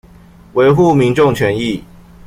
維護民眾權益